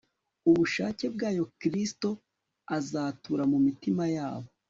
ubushake bwayo Kristo azatura mu mitima yabo